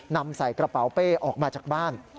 นำใส่กระเป๋าเป้ออกมาจากบ้าน